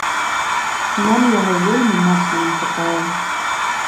Нам яго вельмі моцна не хапае.